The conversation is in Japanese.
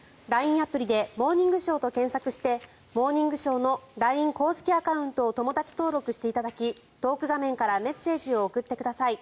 アプリで「モーニングショー」と検索をして「モーニングショー」のＬＩＮＥ公式アカウントを友だち登録していただきトーク画面からメッセージを送ってください。